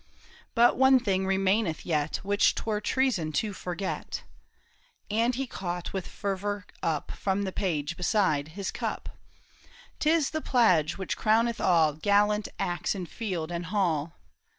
But one thing remain eth yet Which 'twere treason to forget ;" And he caught with fervor up From the page beside, his cup :" 'Tis the pledge which crowneth all Gallant acts in field and hall."